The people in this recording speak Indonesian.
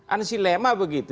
ansi lema begitu